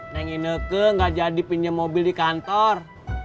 neng ineke nggak jadi pinjem mobil di kantor